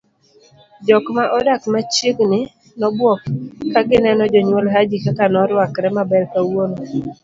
jok ma odak machiegni nobuok kagineno jonyuol Haji kaka noruakre maber kawuono